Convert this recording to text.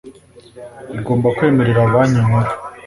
igomba kwemerera banki nkuru